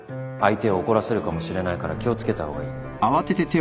相手を怒らせるかもしれないから気を付けた方がいい